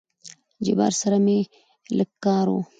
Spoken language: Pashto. د جبار سره مې لېږ کار وو.